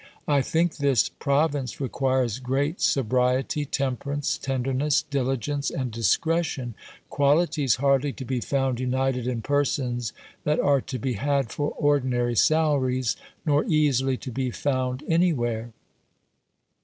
I think this province requires great sobriety, temperance, tenderness, diligence, and discretion; qualities hardly to be found united in persons that are to be had for ordinary salaries, nor easily to be found any where."